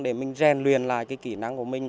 để mình rèn luyện lại cái kỹ năng của mình